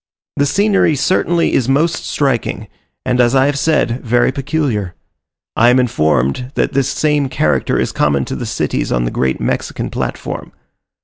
The scenery certainly is most striking, and, as I have said, very peculiar. I am informed that this same character is common to the cities on the great Mexican platform.